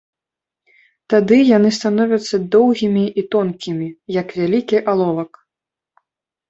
Тады яны становяцца доўгімі і тонкімі, як вялікі аловак.